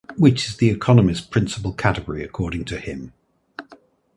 Which is the economist’s principal category according to him.